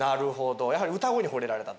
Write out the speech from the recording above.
やはり歌声にほれられた？